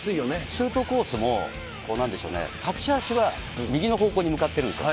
シュートコースも、なんでしょうね、たち足は右の方向に向かってるんですよ。